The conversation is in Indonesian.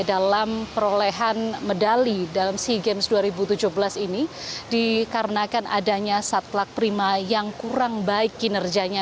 dalam perolehan medali dalam sea games dua ribu tujuh belas ini dikarenakan adanya satlak prima yang kurang baik kinerjanya